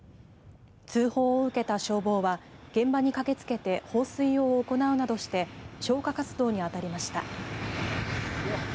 通報を受けた消防は現場に駆けつけて放水を行うなどして消火活動に当たりました。